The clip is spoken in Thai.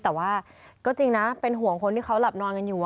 แต่ว่าก็จริงนะเป็นห่วงคนที่เขาหลับนอนกันอยู่